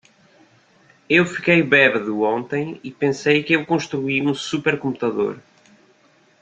Eu fiquei bêbado ontem e pensei que eu construí um super computador.